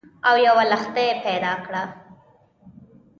او یوه لښتۍ پیدا کړه